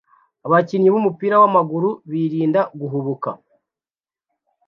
Abakinnyi b'umupira w'amaguru birinda guhubuka